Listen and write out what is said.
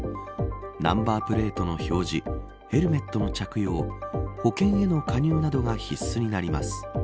ナンバープレートの表示ヘルメットの着用保険への加入などが必須になります。